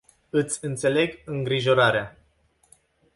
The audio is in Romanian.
Iti inteleg ingrijorarea.